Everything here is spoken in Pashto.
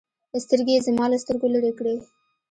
سترګې يې زما له سترګو لرې كړې.